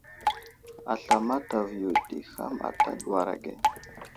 Asla mataviyo ɗi ham ata ɗuwar age.